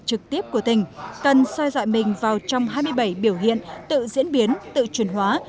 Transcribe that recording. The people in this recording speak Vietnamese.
trực tiếp của tỉnh cần soi dọi mình vào trong hai mươi bảy biểu hiện tự diễn biến tự truyền hóa